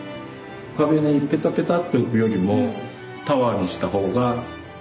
壁にペタペタって置くよりもタワーにした方が。